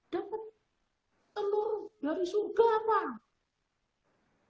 dapat telur dari surga pak